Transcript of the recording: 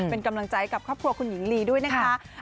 เป็นกำลังใจกับครอบครัวคุณหญิงลีด้วยนะคะ